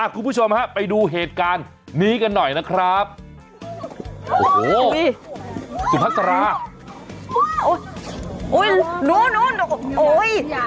คุณผู้ชมฮะไปดูเหตุการณ์นี้กันหน่อยนะครับโอ้โหสุภาษาอุ้ยนู้นโอ้ย